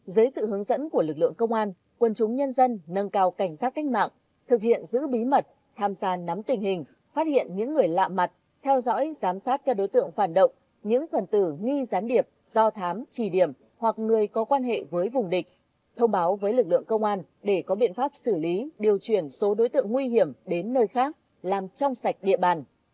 dưới sự hướng dẫn của lực lượng công an quần chúng nhân dân nâng cao cảnh giác cách mạng thực hiện giữ bí mật tham gia nắm tình hình phát hiện những người lạ mặt theo dõi giám sát các đối tượng phản động những phần tử nghi gián điệp do thám trì điểm hoặc người có quan hệ với vùng địch thông báo với lực lượng công an để có biện pháp xử lý điều chuyển số đối tượng nguy hiểm đến nơi khác làm trong sạch địa bàn